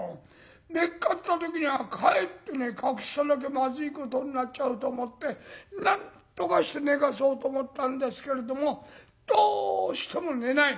めっかった時にはかえってね隠さなきゃまずいことになっちゃうと思ってなんとかして寝かそうと思ったんですけれどもどうしても寝ない。